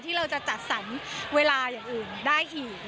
เราจะจัดสรรเวลาอย่างอื่นได้อีก